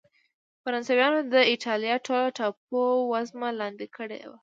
فرانسویانو د اېټالیا ټوله ټاپو وزمه لاندې کړې وه.